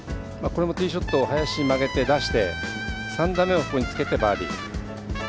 ティーショット林に曲げて、出して３打目をつけてバーディー。